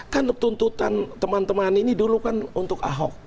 kan tuntutan teman teman ini dulu kan untuk ahok